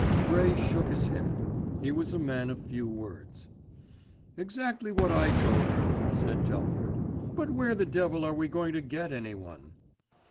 Bray shook his head. He was a man of few words. "Exactly what I told her," said Telford; "but where the devil are we going to get anyone?